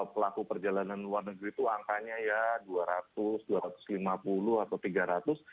pelaku perjalanan luar negeri itu angkanya ya dua ratus dua ratus lima puluh atau tiga ratus